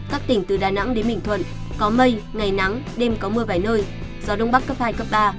các tỉnh từ đà nẵng đến bình thuận có mây ngày nắng đêm có mưa vài nơi gió đông bắc cấp hai cấp ba